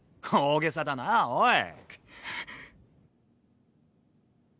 大げさだなぁおい。